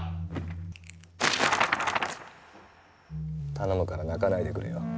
頼むから泣かないでくれよ。